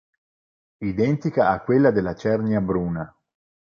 Identica a quella della cernia bruna.